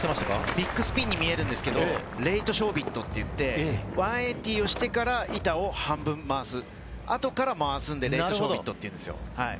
ビッグスピンに見えるんですけどレイトショービットと言って、１８０をしてから板を半分回す、後から回すんで、レイトショービットっていうんですよ。